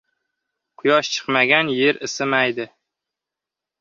• Quyosh chiqmagan yer isimaydi.